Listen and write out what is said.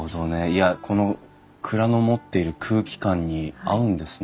いやこの蔵の持っている空気感に合うんですね。